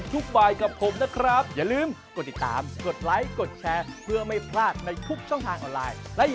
สวัสดีค่ะ